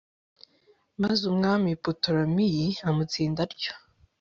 maze umwami putolemeyi amutsinda atyo